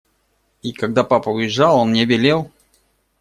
И, когда папа уезжал, он мне велел…